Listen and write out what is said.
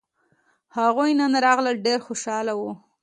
هغوی نن راغلل ډېر خوشاله وو